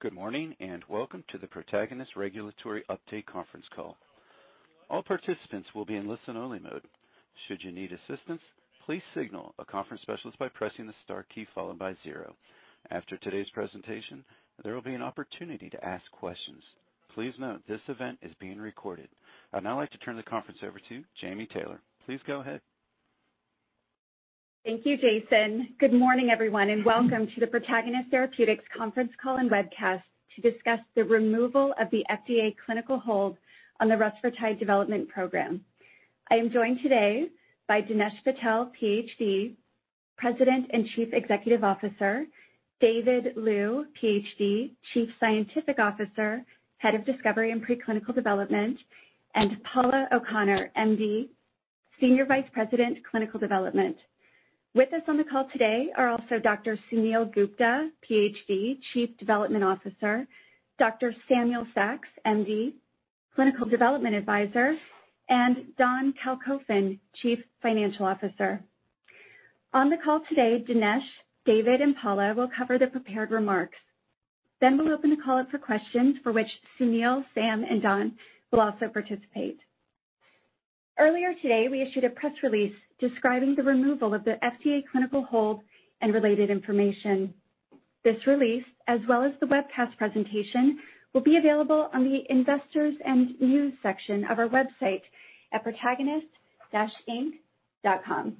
Good morning, and welcome to the Protagonist Regulatory Update conference call. All participants will be in listen-only mode. Should you need assistance, please signal a conference specialist by pressing the star key followed by zero. After today's presentation, there will be an opportunity to ask questions. Please note this event is being recorded. I'd now like to turn the conference over to Jamie Taylor. Please go ahead. Thank you, Jason. Good morning, everyone, and welcome to the Protagonist Therapeutics conference call and webcast to discuss the removal of the FDA clinical hold on the rusfertide development program. I am joined today by Dinesh Patel, PhD, President and Chief Executive Officer, David Liu, PhD, Chief Scientific Officer, Head of Discovery and Preclinical Development, and Paula O'Connor, MD, Senior Vice President, Clinical Development. With us on the call today are also Dr. Suneel Gupta, PhD, Chief Development Officer, Dr. Samuel Saks, MD, Clinical Development Advisor, and Don Kalkofen, Chief Financial Officer. On the call today, Dinesh, David, and Paula will cover the prepared remarks. We'll open the call up for questions for which Suneel, Sam, and Don will also participate. Earlier today, we issued a press release describing the removal of the FDA clinical hold and related information. This release, as well as the webcast presentation, will be available on the Investors and News section of our website at protagonist-inc.com.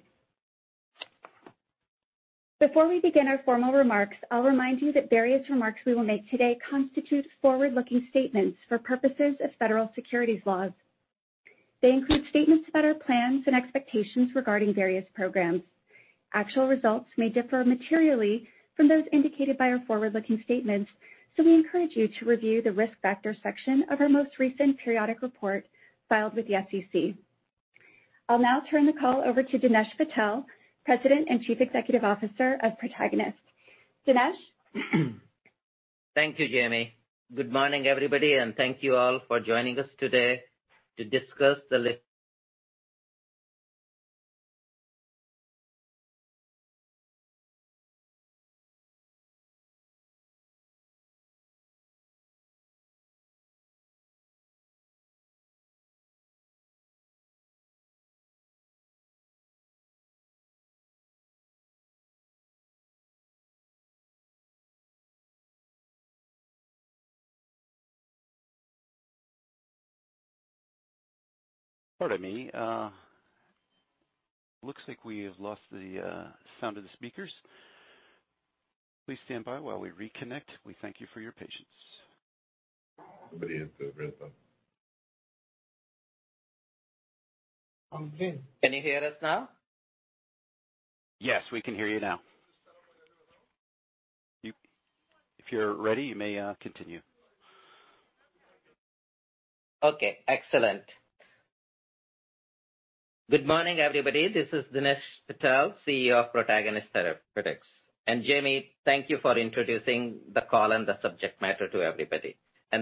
Before we begin our formal remarks, I'll remind you that various remarks we will make today constitute forward-looking statements for purposes of federal securities laws. They include statements about our plans and expectations regarding various programs. Actual results may differ materially from those indicated by our forward-looking statements, so we encourage you to review the Risk Factors section of our most recent periodic report filed with the SEC. I'll now turn the call over to Dinesh Patel, President and Chief Executive Officer of Protagonist. Dinesh? Thank you, Jamie. Good morning, everybody, and thank you all for joining us today to discuss the. Pardon me. Looks like we have lost the sound of the speakers. Please stand by while we reconnect. We thank you for your patience. Somebody hit the wrong button. Okay. Can you hear us now? Yes, we can hear you now. If you're ready, you may continue. Okay. Excellent. Good morning, everybody. This is Dinesh Patel, CEO of Protagonist Therapeutics. Jamie, thank you for introducing the call and the subject matter to everybody.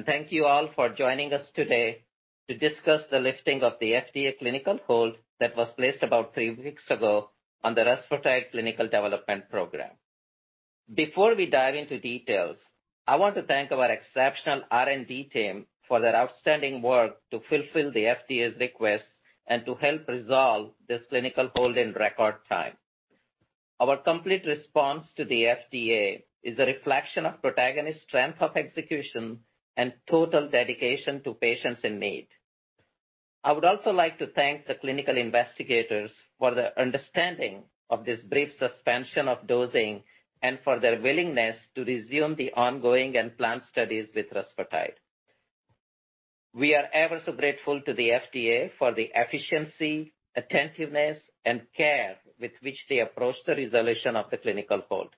Thank you all for joining us today to discuss the lifting of the FDA clinical hold that was placed about three weeks ago on the rusfertide clinical development program. Before we dive into details, I want to thank our exceptional R&D team for their outstanding work to fulfill the FDA's request and to help resolve this clinical hold in record time. Our complete response to the FDA is a reflection of Protagonist's strength of execution and total dedication to patients in need. I would also like to thank the clinical investigators for their understanding of this brief suspension of dosing and for their willingness to resume the ongoing and planned studies with rusfertide. We are ever so grateful to the FDA for the efficiency, attentiveness, and care with which they approached the resolution of the clinical hold.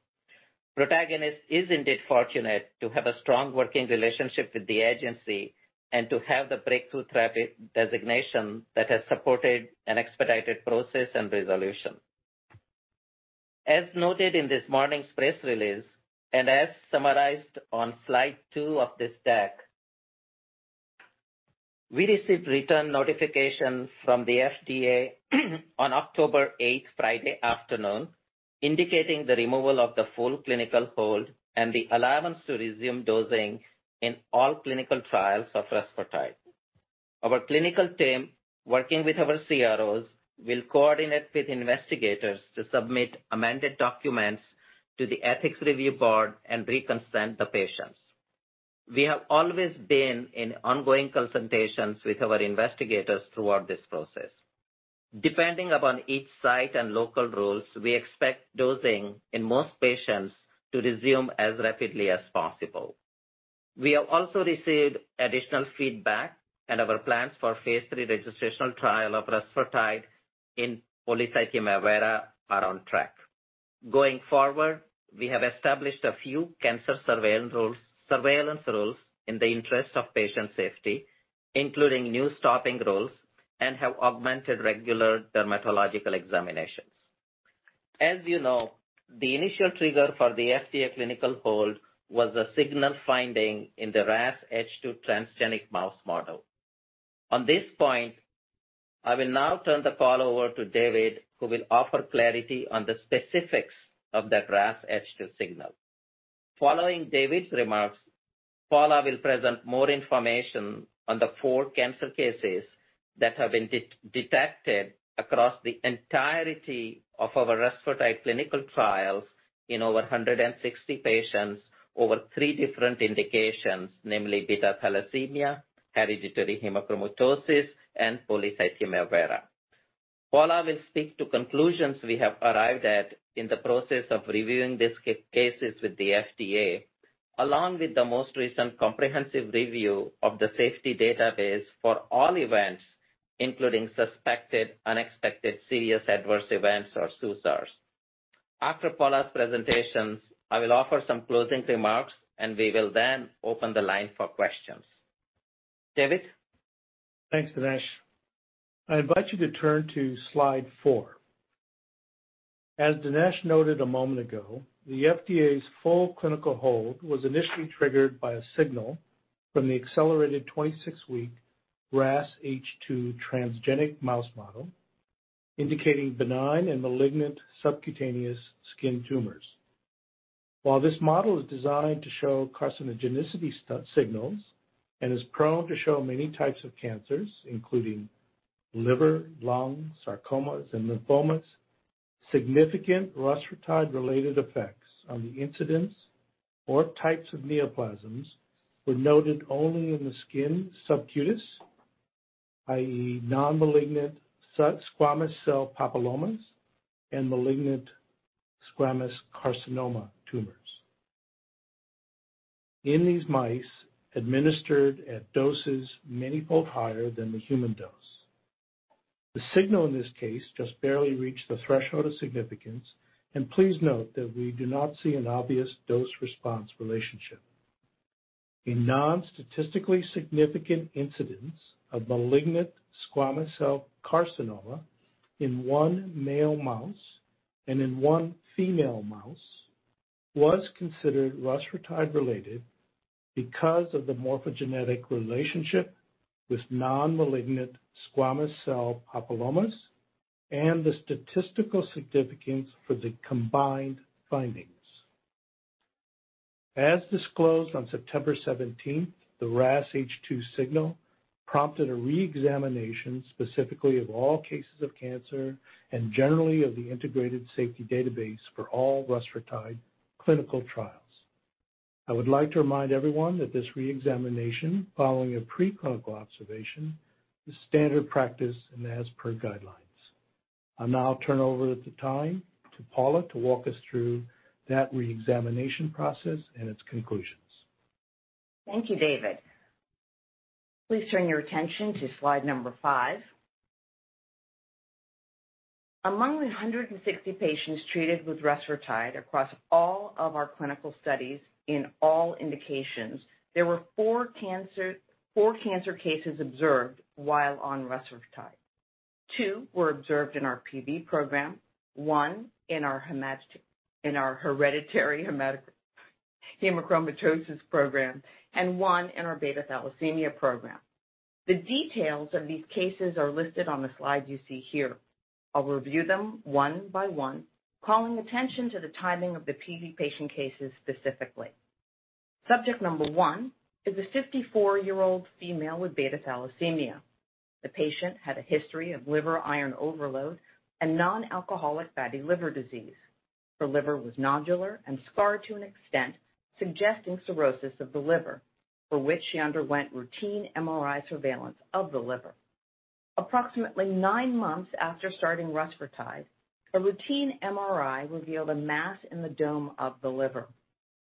Protagonist is indeed fortunate to have a strong working relationship with the agency and to have the breakthrough therapy designation that has supported an expedited process and resolution. As noted in this morning's press release, and as summarized on slide two of this deck, we received return notification from the FDA on October eighth, Friday afternoon, indicating the removal of the full clinical hold and the allowance to resume dosing in all clinical trials of rusfertide. Our clinical team, working with our CROs, will coordinate with investigators to submit amended documents to the ethics review board and re-consent the patients. We have always been in ongoing consultations with our investigators throughout this process. Depending upon each site and local rules, we expect dosing in most patients to resume as rapidly as possible. We have also received additional feedback. Our plans for phase III registrational trial of rusfertide in polycythemia vera are on track. Going forward, we have established a few cancer surveillance rules in the interest of patient safety, including new stopping rules, and have augmented regular dermatological examinations. As you know, the initial trigger for the FDA clinical hold was a signal finding in the RasH2 transgenic mouse model. On this point, I will now turn the call over to David, who will offer clarity on the specifics of the RasH2 signal. Following David's remarks, Paula will present more information on the four cancer cases that have been detected across the entirety of our rusfertide clinical trials in over 160 patients over three different indications, namely beta thalassemia, hereditary hemochromatosis, and polycythemia vera. Paula will speak to conclusions we have arrived at in the process of reviewing these cases with the FDA, along with the most recent comprehensive review of the safety database for all events, including suspected unexpected serious adverse events or SUSARs. After Paula's presentations, I will offer some closing remarks, and we will then open the line for questions. David? Thanks, Dinesh. I invite you to turn to Slide four. As Dinesh noted a moment ago, the FDA's full clinical hold was initially triggered by a signal from the accelerated 26-week RasH2 transgenic mouse model indicating benign and malignant subcutaneous skin tumors. While this model is designed to show carcinogenicity signals and is prone to show many types of cancers, including liver, lung, sarcomas, and lymphomas, significant rusfertide related effects on the incidence or types of neoplasms were noted only in the skin subcutis, i.e., non-malignant squamous cell papillomas and malignant squamous cell carcinoma tumors. In these mice, administered at doses many fold higher than the human dose. The signal in this case just barely reached the threshold of significance, and please note that we do not see an obvious dose response relationship. A non-statistically significant incidence of malignant squamous cell carcinoma in one male mouse and in one female mouse was considered rusfertide related because of the morphogenetic relationship with non-malignant squamous cell papillomas and the statistical significance for the combined findings. As disclosed on September 17th, the RasH2 signal prompted a re-examination specifically of all cases of cancer and generally of the integrated safety database for all rusfertide clinical trials. I would like to remind everyone that this re-examination following a preclinical observation is standard practice and as per guidelines. I'll now turn over the time to Paula to walk us through that re-examination process and its conclusions. Thank you, David. Please turn your attention to slide number five. Among the 160 patients treated with rusfertide across all of our clinical studies in all indications, there were four cancer cases observed while on rusfertide. Two were observed in our PV program, one in our hereditary hemochromatosis program, and one in our beta thalassemia program. The details of these cases are listed on the slide you see here. I'll review them one by one, calling attention to the timing of the PV patient cases specifically. Subject number one is a 54-year-old female with beta thalassemia. The patient had a history of liver iron overload and non-alcoholic fatty liver disease. Her liver was nodular and scarred to an extent suggesting cirrhosis of the liver, for which she underwent routine MRI surveillance of the liver. Approximately nine months after starting rusfertide, a routine MRI revealed a mass in the dome of the liver,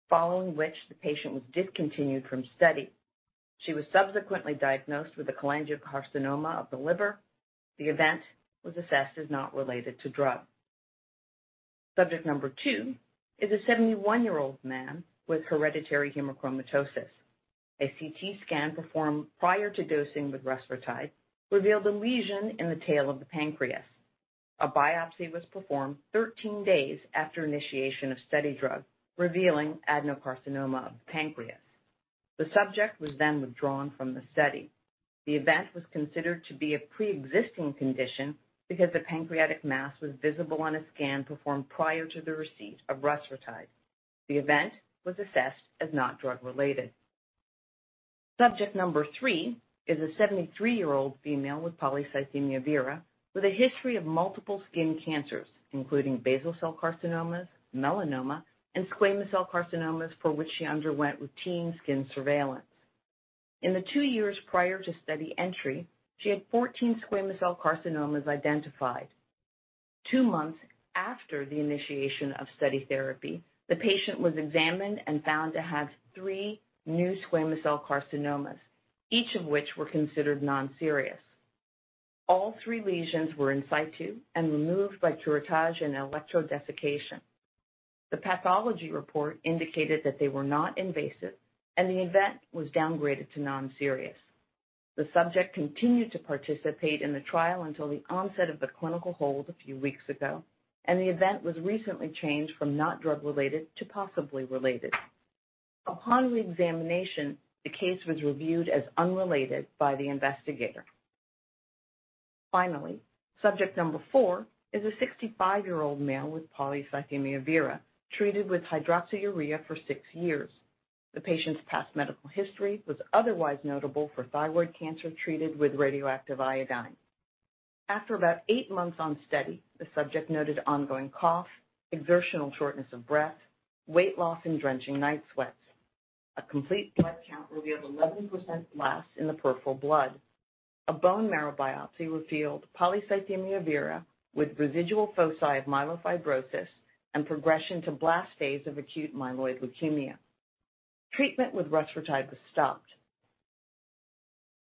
following which the patient was discontinued from study. She was subsequently diagnosed with a cholangiocarcinoma of the liver. The event was assessed as not related to drug. Subject number two is a 71-year-old man with hereditary hemochromatosis. A CT scan performed prior to dosing with rusfertide revealed a lesion in the tail of the pancreas. A biopsy was performed 13 days after initiation of study drug, revealing adenocarcinoma of the pancreas. The subject was withdrawn from the study. The event was considered to be a preexisting condition because the pancreatic mass was visible on a scan performed prior to the receipt of rusfertide. The event was assessed as not drug related. Subject number three is a 73-year-old female with polycythemia vera with a history of multiple skin cancers, including basal cell carcinomas, melanoma, and squamous cell carcinomas, for which she underwent routine skin surveillance. In the two years prior to study entry, she had 14 squamous cell carcinomas identified. two months after the initiation of study therapy, the patient was examined and found to have three new squamous cell carcinomas, each of which were considered non-serious. All three lesions were in situ and removed by curettage and electrodesiccation. The pathology report indicated that they were not invasive and the event was downgraded to non-serious. The subject continued to participate in the trial until the onset of the clinical hold a few weeks ago, and the event was recently changed from not drug related to possibly related. Upon reexamination, the case was reviewed as unrelated by the investigator. Finally, subject number four is a 65-year-old male with polycythemia vera, treated with hydroxyurea for six years. The patient's past medical history was otherwise notable for thyroid cancer treated with radioactive iodine. After about eight months on study, the subject noted ongoing cough, exertional shortness of breath, weight loss, and drenching night sweats. A complete blood count revealed 11% blasts in the peripheral blood. A bone marrow biopsy revealed polycythemia vera with residual foci of myelofibrosis and progression to blast phase of acute myeloid leukemia. Treatment with rusfertide was stopped.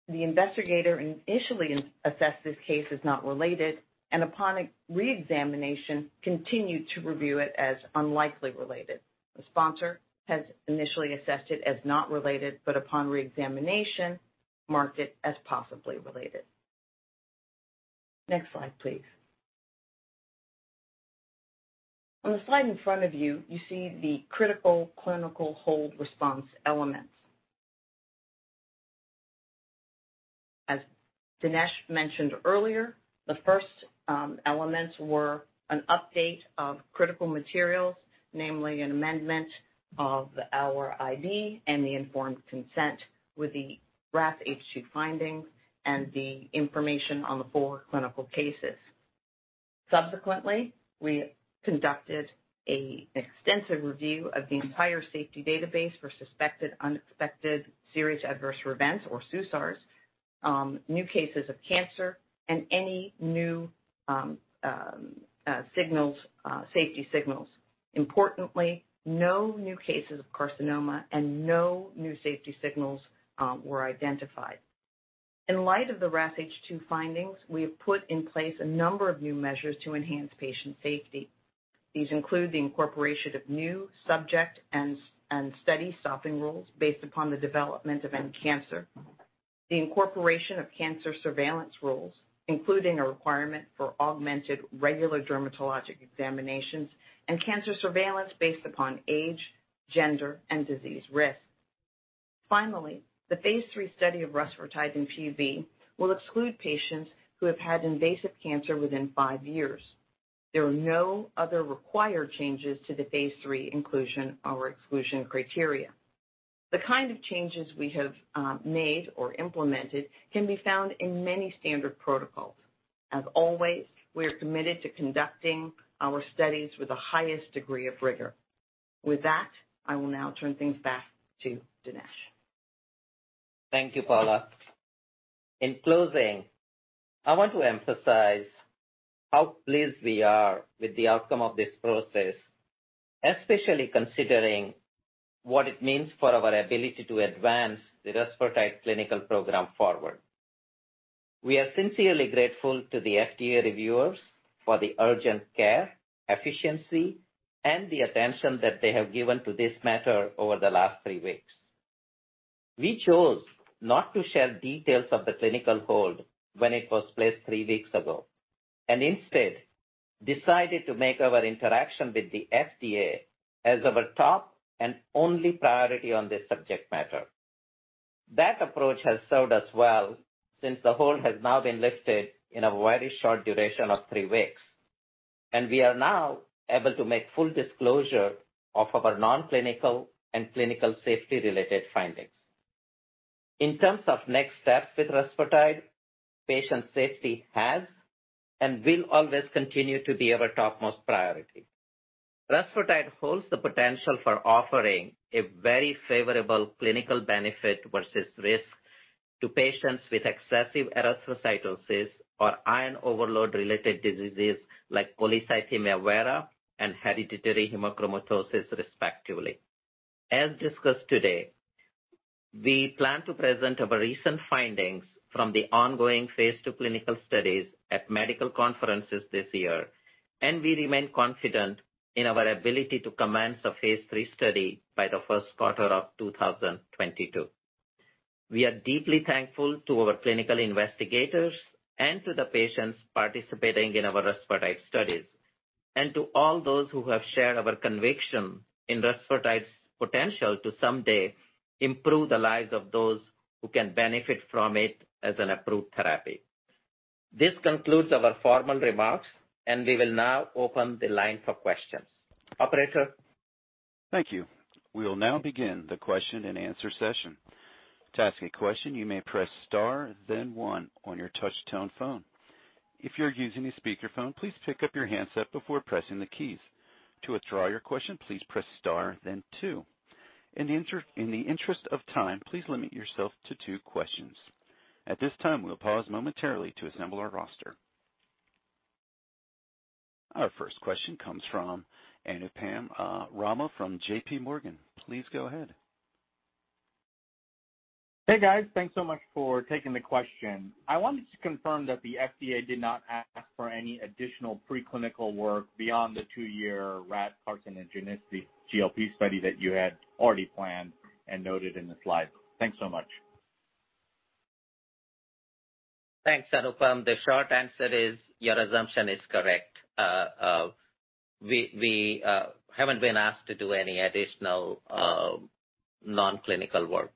The investigator initially assessed this case as not related, and upon reexamination, continued to review it as unlikely related. The sponsor has initially assessed it as not related, but upon reexamination, marked it as possibly related. Next slide, please. On the slide in front of you see the critical clinical hold response elements. As Dinesh mentioned earlier, the first elements were an update of critical materials, namely an amendment of our IND and the informed consent with the RasH2 findings and the information on the four clinical cases. Subsequently, we conducted an extensive review of the entire safety database for suspected unexpected serious adverse events, or SUSARs, new cases of cancer, and any new safety signals. Importantly, no new cases of carcinoma and no new safety signals were identified. In light of the RasH2 findings, we have put in place a number of new measures to enhance patient safety. These include the incorporation of new subject and study stopping rules based upon the development of any cancer, the incorporation of cancer surveillance rules, including a requirement for augmented regular dermatologic examinations, and cancer surveillance based upon age, gender, and disease risk. The phase III study of rusfertide in PV will exclude patients who have had invasive cancer within five years. There are no other required changes to the phase III inclusion or exclusion criteria. The kind of changes we have made or implemented can be found in many standard protocols. As always, we are committed to conducting our studies with the highest degree of rigor. With that, I will now turn things back to Dinesh. Thank you, Paula. In closing, I want to emphasize how pleased we are with the outcome of this process, especially considering what it means for our ability to advance the rusfertide clinical program forward. We are sincerely grateful to the FDA reviewers for the urgent care, efficiency, and the attention that they have given to this matter over the last three weeks. We chose not to share details of the clinical hold when it was placed three weeks ago, and instead decided to make our interaction with the FDA as our top and only priority on this subject matter. That approach has served us well since the hold has now been lifted in a very short duration of three weeks, and we are now able to make full disclosure of our non-clinical and clinical safety-related findings. In terms of next steps with rusfertide, patient safety has and will always continue to be our topmost priority. Rusfertide holds the potential for offering a very favorable clinical benefit versus risk to patients with excessive erythrocytosis or iron overload related diseases like polycythemia vera and hereditary hemochromatosis, respectively. As discussed today, we plan to present our recent findings from the ongoing phase II clinical studies at medical conferences this year, and we remain confident in our ability to commence a phase III study by the first quarter of 2022. We are deeply thankful to our clinical investigators and to the patients participating in our rusfertide studies, and to all those who have shared our conviction in rusfertide's potential to someday improve the lives of those who can benefit from it as an approved therapy. This concludes our formal remarks, and we will now open the line for questions. Operator? Thank you. We will now begin the question and answer session. In the interest of time, please limit yourself to two questions. At this time, we'll pause momentarily to assemble our roster. Our first question comes from Anupam Rama from JPMorgan. Please go ahead. Hey, guys. Thanks so much for taking the question. I wanted to confirm that the FDA did not ask for any additional preclinical work beyond the two-year rat carcinogenicity GLP study that you had already planned and noted in the slide. Thanks so much. Thanks, Anupam. The short answer is your assumption is correct. We haven't been asked to do any additional non-clinical work.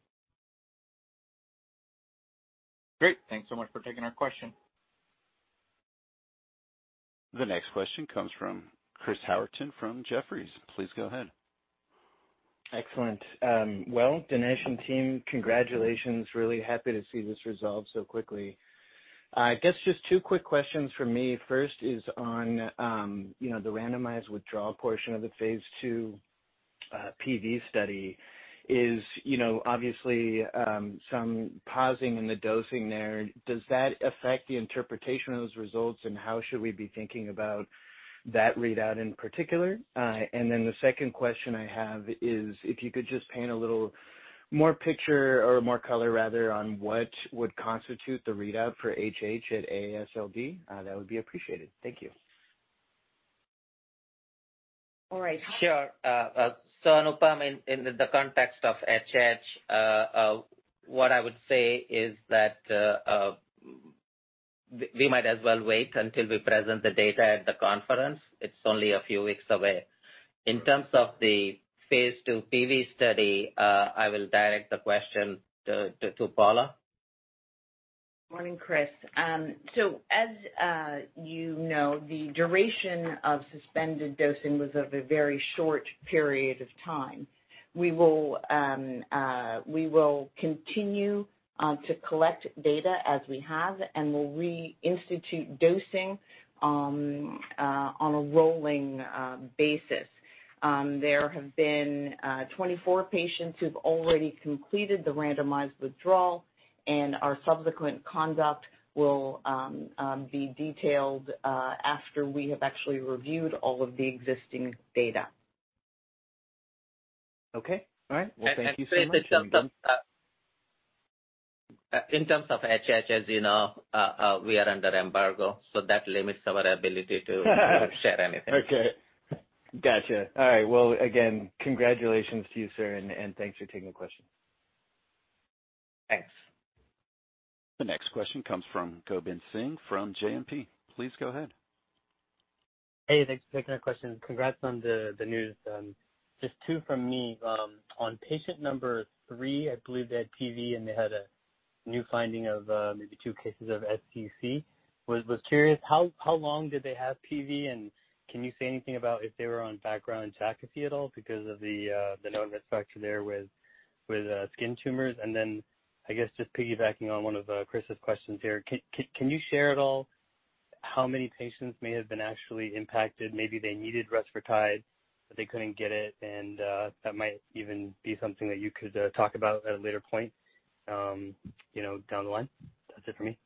Great. Thanks so much for taking our question. The next question comes from Chris Howerton from Jefferies. Please go ahead. Excellent. Well, Dinesh and team, congratulations. Really happy to see this resolved so quickly. I guess just two quick questions from me. First is on the randomized withdrawal portion of the phase II PV study is, obviously, some pausing in the dosing there. Does that affect the interpretation of those results, and how should we be thinking about that readout in particular? The second question I have is, if you could just paint a little more picture or more color, rather, on what would constitute the readout for HH at AASLD. That would be appreciated. Thank you. All right. Sure. Howerton, in the context of HH, what I would say is that we might as well wait until we present the data at the conference. It's only a few weeks away. In terms of the phase II PV study, I will direct the question to Paula. Morning, Chris. As you know, the duration of suspended dosing was of a very short period of time. We will continue to collect data as we have. We'll reinstitute dosing on a rolling basis. There have been 24 patients who've already completed the randomized withdrawal. Our subsequent conduct will be detailed after we have actually reviewed all of the existing data. Okay. All right. Well, thank you so much. In terms of HH, as you know, we are under embargo, so that limits our ability to share anything. Okay. Got you. All right. Again, congratulations to you, sir, and thanks for taking the question. Thanks. The next question comes from Gobind Singh from JMP. Please go ahead. Hey, thanks for taking my question. Congrats on the news. Just two from me. On patient number three, I believe they had PV, and they had a new finding of maybe two cases of SCC. Was curious, how long did they have PV, and can you say anything about if they were on background Jakafi at all because of the known risk factor there with skin tumors? I guess, just piggybacking on one of Chris's questions here, can you share at all how many patients may have been actually impacted? Maybe they needed rusfertide, but they couldn't get it, and that might even be something that you could talk about at a later point down the line. That's it for me.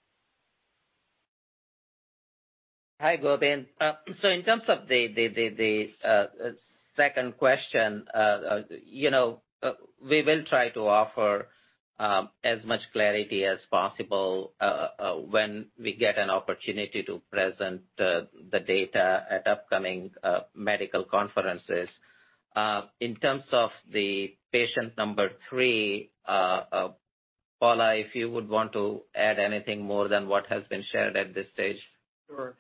Hi, Gobind. In terms of the second question, we will try to offer as much clarity as possible when we get an opportunity to present the data at upcoming medical conferences. In terms of the patient number three, Paula, if you would want to add anything more than what has been shared at this stage. Sure.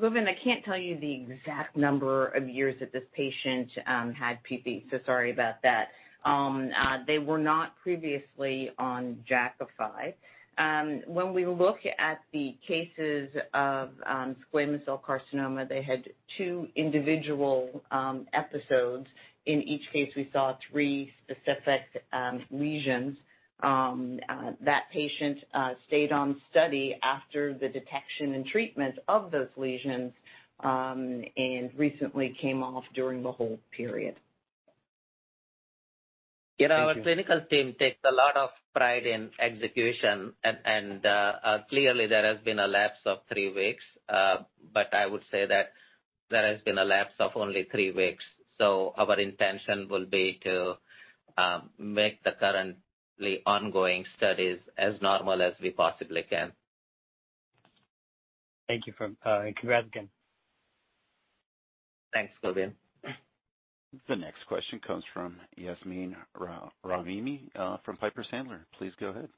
Gobind, I can't tell you the exact number of years that this patient had PV, so sorry about that. They were not previously on Jakafi. When we look at the cases of squamous cell carcinoma, they had two individual episodes. In each case, we saw three specific lesions. That patient stayed on study after the detection and treatment of those lesions, and recently came off during the hold period. Thank you. Our clinical team takes a lot of pride in execution. Clearly there has been a lapse of three weeks. I would say that there has been a lapse of only three weeks. Our intention will be to make the currently ongoing studies as normal as we possibly can. Thank you. Congrats again. Thanks, Gobind. The next question comes from Yasmeen Rahimi from Piper Sandler. Please go ahead.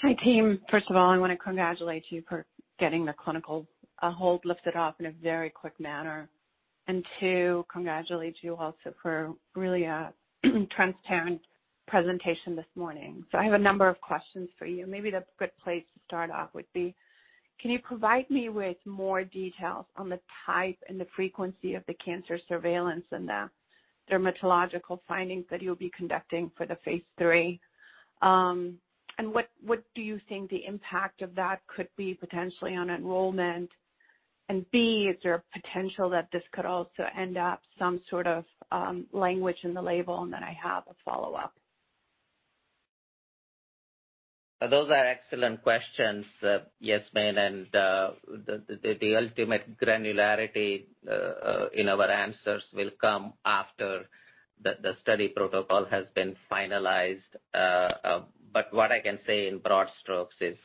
Hi, team. First of all, I want to congratulate you for getting the clinical hold lifted off in a very quick manner, and two, congratulate you also for really a transparent presentation this morning. I have a number of questions for you. Maybe the good place to start off would be, can you provide me with more details on the type and the frequency of the cancer surveillance and the dermatological findings that you'll be conducting for the phase III? What do you think the impact of that could be potentially on enrollment? B, is there a potential that this could also end up some sort of language in the label? I have a follow-up. Those are excellent questions, Yasmin. The ultimate granularity in our answers will come after the study protocol has been finalized. What I can say in broad strokes is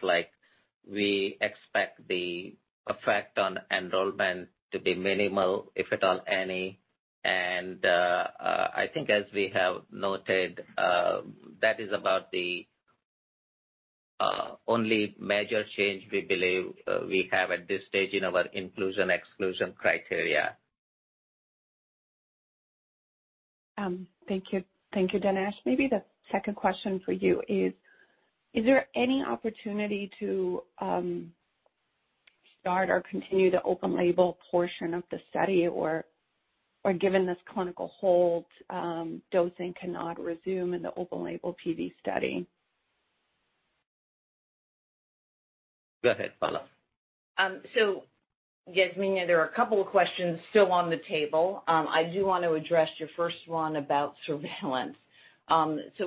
we expect the effect on enrollment to be minimal, if at all any. I think as we have noted, that is about the only major change we believe we have at this stage in our inclusion/exclusion criteria. Thank you, Dinesh. Maybe the second question for you is: Is there any opportunity to start or continue the open label portion of the study? Given this clinical hold, dosing cannot resume in the open label PV study. Go ahead, Paula. Yasmina, there are two questions still on the table. I do want to address your first one about surveillance.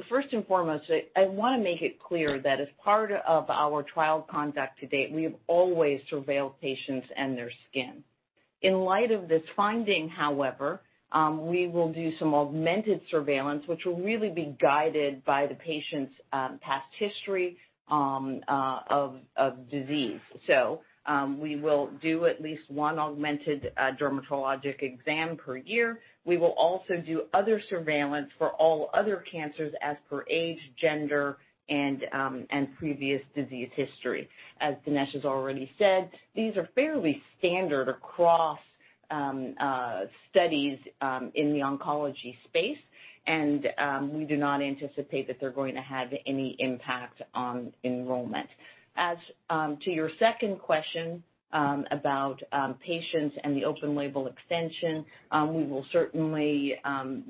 First and foremost, I want to make it clear that as part of our trial conduct to date, we have always surveilled patients and their skin. In light of this finding, however, we will do some augmented surveillance, which will really be guided by the patient's past history of disease. We will do at least one augmented dermatologic exam per year. We will also do other surveillance for all other cancers as per age, gender, and previous disease history. As Dinesh has already said, these are fairly standard across studies in the oncology space, and we do not anticipate that they're going to have any impact on enrollment. As to your second question about patients and the open label extension, we will certainly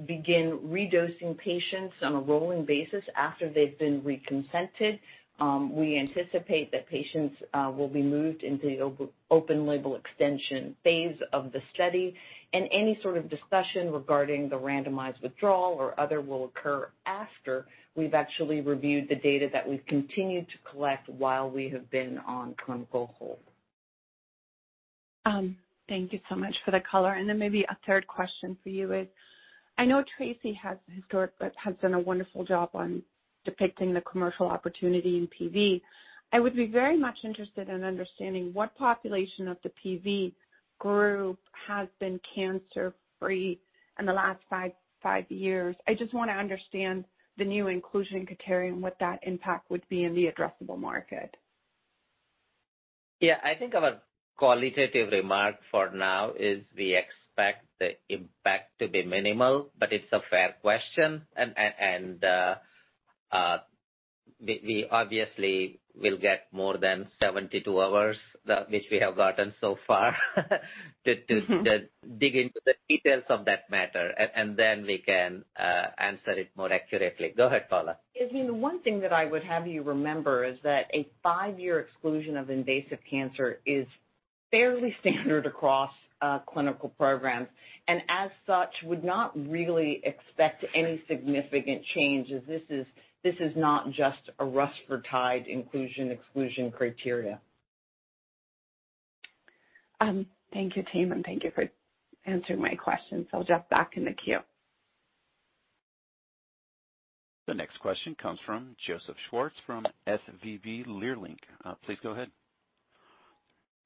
begin redosing patients on a rolling basis after they've been reconsented. We anticipate that patients will be moved into the open label extension phase of the study, and any sort of discussion regarding the randomized withdrawal or other will occur after we've actually reviewed the data that we've continued to collect while we have been on clinical hold. Thank you so much for the color. Maybe a third question for you is, I know Tracy has done a wonderful job on depicting the commercial opportunity in PV. I would be very much interested in understanding what population of the PV group has been cancer free in the last five years. I just want to understand the new inclusion criterion, what that impact would be in the addressable market. Yeah, I think our qualitative remark for now is we expect the impact to be minimal, but it's a fair question. We obviously will get more than 72 hours, which we have gotten so far to dig into the details of that matter, and then we can answer it more accurately. Go ahead, Paula. Yasmeen, one thing that I would have you remember is that a five-year exclusion of invasive cancer is fairly standard across clinical programs, and as such, would not really expect any significant change, as this is not just a rusfertide inclusion/exclusion criteria. Thank you, team. Thank you for answering my questions. I'll jump back in the queue. The next question comes from Joseph Schwartz from SVB Leerink. Please go ahead.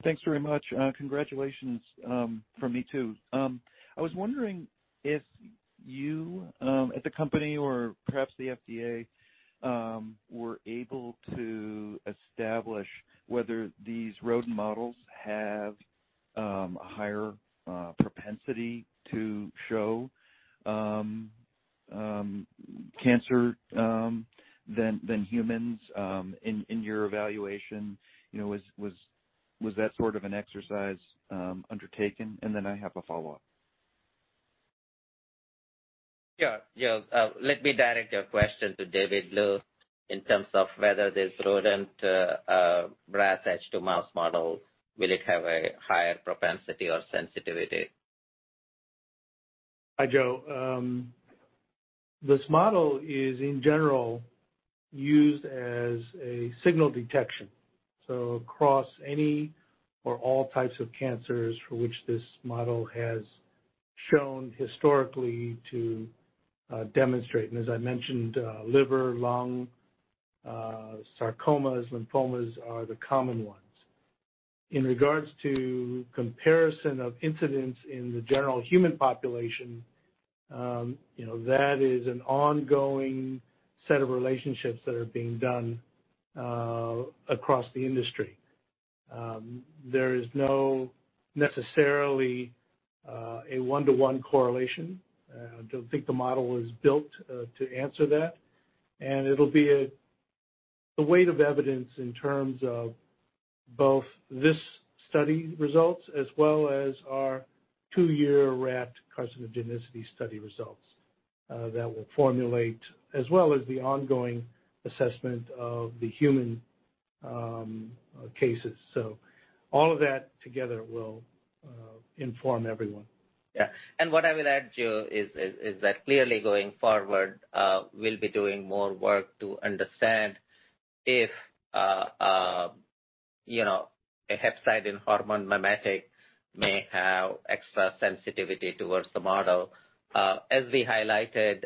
Thanks very much. Congratulations from me, too. I was wondering if you at the company or perhaps the FDA were able to establish whether these rodent models have a higher propensity to show cancer than humans in your evaluation. Was that sort of an exercise undertaken? Then I have a follow-up. Yeah. Let me direct your question to David Liu in terms of whether this rodent RasH2 mouse model, will it have a higher propensity or sensitivity? Hi, Joe. This model is in general used as a signal detection. Across any or all types of cancers for which this model has shown historically to demonstrate, and as I mentioned, liver, lung, sarcomas, lymphomas are the common ones. In regards to comparison of incidence in the general human population, that is an ongoing set of relationships that are being done across the industry. There is not necessarily a one-to-one correlation. I don't think the model was built to answer that, and it'll be the weight of evidence in terms of both this study results as well as our two-year rat carcinogenicity study results that will formulate as well as the ongoing assessment of the human cases. All of that together will inform everyone. Yeah. What I will add, Joe, is that clearly going forward, we'll be doing more work to understand if a hepcidin hormone mimetic may have extra sensitivity towards the model. As we highlighted,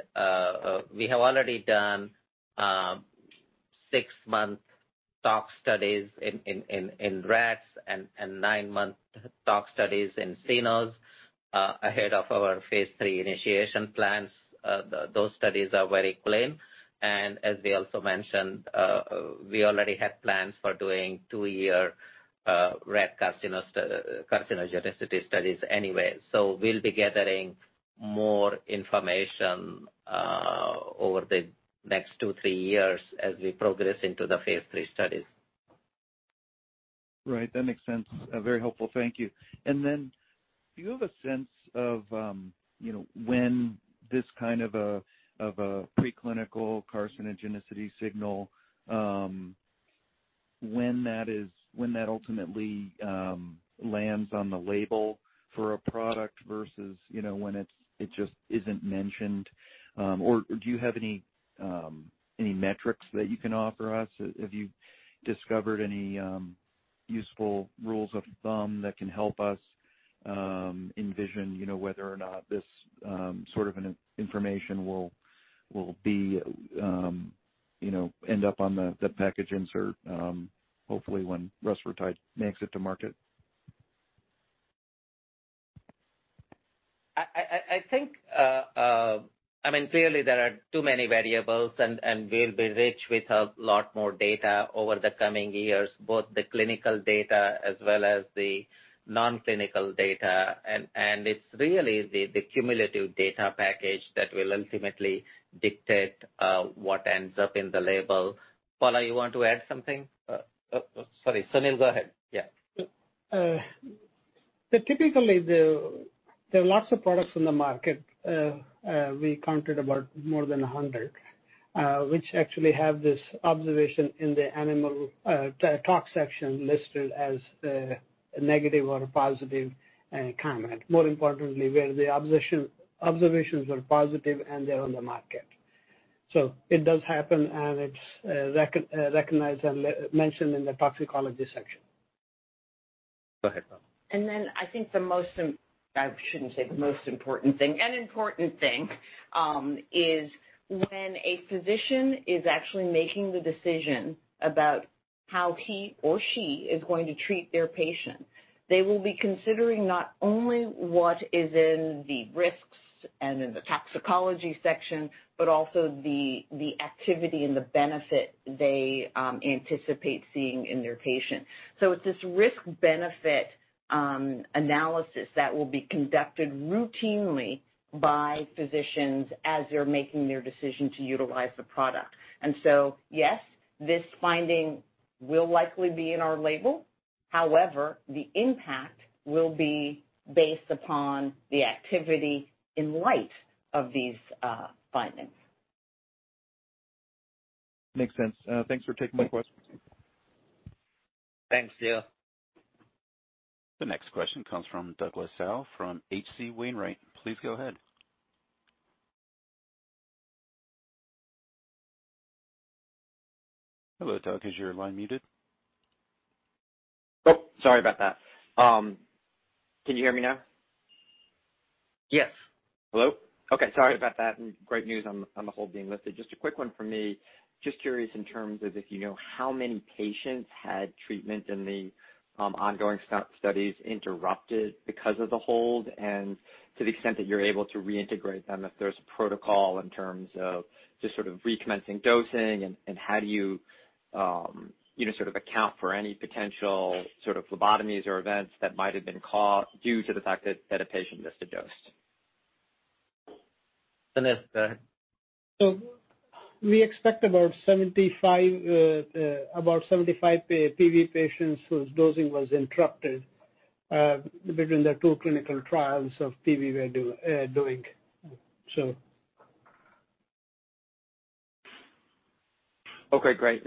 we have already done a six-month tox studies in rats and nine-month tox studies in cynos ahead of our phase III initiation plans. Those studies are very clean. As we also mentioned, we already had plans for doing two-year rat carcinogenicity studies anyway. We'll be gathering more information over the next two, three years as we progress into the phase III studies. Right. That makes sense. Very helpful. Thank you. Do you have a sense of when this kind of a preclinical carcinogenicity signal, when that ultimately lands on the label for a product versus when it just isn't mentioned? Do you have any metrics that you can offer us? Have you discovered any useful rules of thumb that can help us envision whether or not this sort of information will end up on the package insert, hopefully when rusfertide makes it to market? Clearly, there are too many variables, we'll be rich with a lot more data over the coming years, both the clinical data as well as the non-clinical data. It's really the cumulative data package that will ultimately dictate what ends up in the label. Paula, you want to add something? Sorry, Suneel, go ahead. Yeah. Typically, there are lots of products on the market. We counted about more than 100, which actually have this observation in the animal tox section listed as a negative or a positive comment. More importantly, where the observations are positive and they're on the market. It does happen, and it's recognized and mentioned in the toxicology section. Go ahead, Paula. I shouldn't say the most important thing. An important thing is when a physician is actually making the decision about how he or she is going to treat their patient, they will be considering not only what is in the risks and in the toxicology section, but also the activity and the benefit they anticipate seeing in their patient. It's this risk-benefit analysis that will be conducted routinely by physicians as they're making their decision to utilize the product. Yes, this finding will likely be in our label. However, the impact will be based upon the activity in light of these findings. Makes sense. Thanks for taking my questions. Thanks, Dale. The next question comes from Douglas Tsao from H.C. Wainwright. Please go ahead. Hello, Doug, is your line muted? Oh, sorry about that. Can you hear me now? Yes. Hello? Okay, sorry about that. Great news on the hold being lifted. Just a quick one from me. Just curious in terms of if you know how many patients had treatment in the ongoing studies interrupted because of the hold and to the extent that you're able to reintegrate them, if there's a protocol in terms of just sort of recommencing dosing and how do you account for any potential sort of phlebotomies or events that might have been caught due to the fact that a patient missed a dose? Suneel, go ahead. We expect about 75 PV patients whose dosing was interrupted between the two clinical trials of PV we are doing. Okay, great.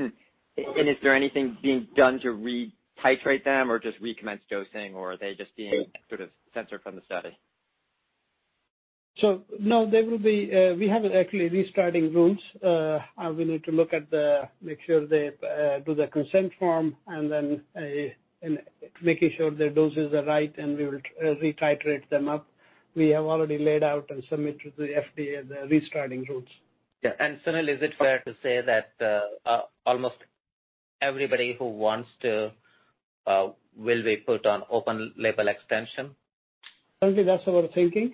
Is there anything being done to re-titrate them or just recommence dosing, or are they just being sort of censored from the study? No, we have actually restarting rules. We need to look at the make sure they do the consent form and then making sure their doses are right, and we will re-titrate them up. We have already laid out and submitted to the FDA the restarting rules. Yeah. Suneel, is it fair to say that almost everybody who wants to will be put on open label extension? I think that's our thinking.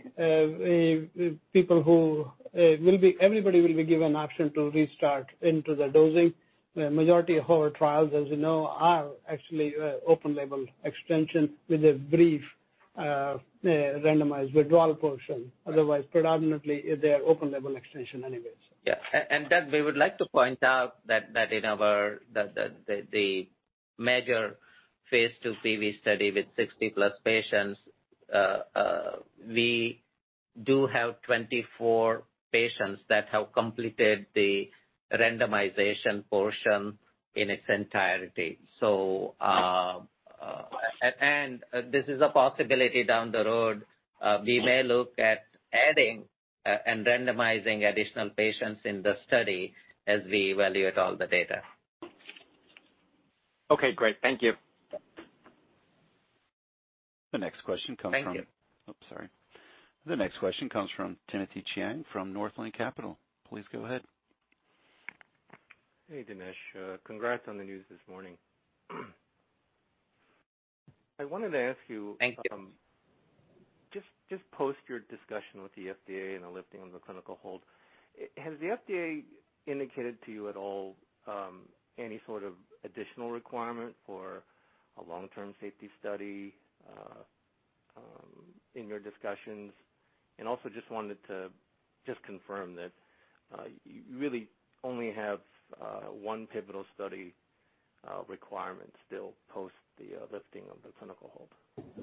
Everybody will be given option to restart into the dosing. Majority of our trials, as you know, are actually open label extension with a brief randomized withdrawal portion. Otherwise, predominantly, they're open label extension anyways. Yeah. That we would like to point out that in our the major phase II PV study with 60+ patients, we do have 24 patients that have completed the randomization portion in its entirety. This is a possibility down the road. We may look at adding and randomizing additional patients in the study as we evaluate all the data. Okay, great. Thank you. The next question comes from. Thank you. Sorry. The next question comes from Timothy Chiang from Northland Capital. Please go ahead. Hey, Dinesh. Congrats on the news this morning. I wanted to ask you. Thank you. Just post your discussion with the FDA and the lifting of the clinical hold, has the FDA indicated to you at all any sort of additional requirement for a long-term safety study, in your discussions? Also just wanted to confirm that you really only have one pivotal study requirement still post the lifting of the clinical hold.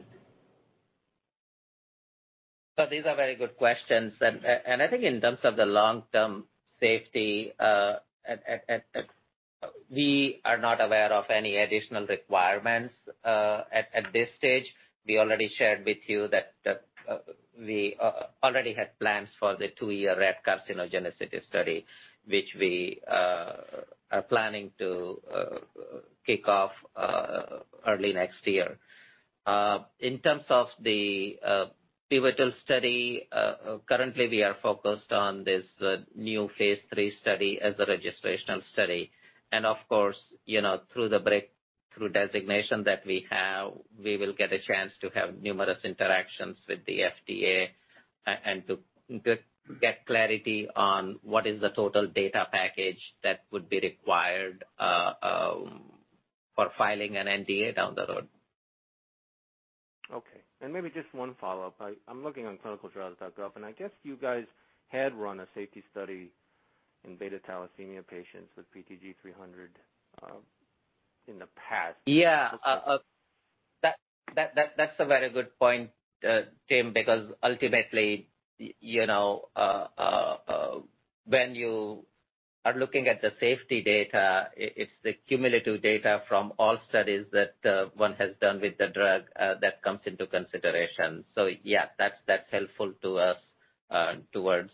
These are very good questions. I think in terms of the long-term safety, we are not aware of any additional requirements at this stage. We already shared with you that we already had plans for the two-year rat carcinogenicity study, which we are planning to kick off early next year. In terms of the pivotal study, currently we are focused on this new phase III study as a registrational study. Of course, through the breakthrough designation that we have, we will get a chance to have numerous interactions with the FDA and to get clarity on what is the total data package that would be required for filing an NDA down the road. Okay. Maybe just one follow-up. I'm looking on clinicaltrials.gov, and I guess you guys had run a safety study in beta thalassemia patients with PTG-300 in the past. Yeah. That's a very good point, Tim, because ultimately, when you are looking at the safety data, it's the cumulative data from all studies that one has done with the drug that comes into consideration. Yeah, that's helpful to us towards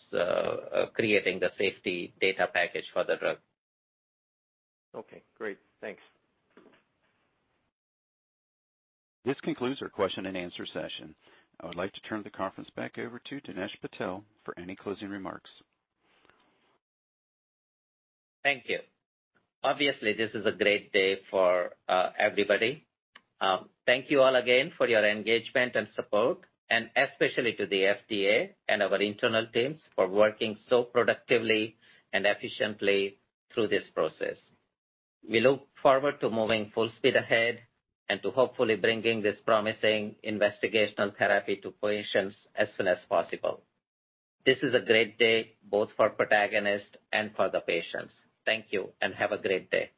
creating the safety data package for the drug. Okay, great. Thanks. This concludes our question and answer session. I would like to turn the conference back over to Dinesh Patel for any closing remarks. Thank you. Obviously, this is a great day for everybody. Thank you all again for your engagement and support, and especially to the FDA and our internal teams for working so productively and efficiently through this process. We look forward to moving full speed ahead and to hopefully bringing this promising investigational therapy to patients as soon as possible. This is a great day both for Protagonist and for the patients. Thank you and have a great day.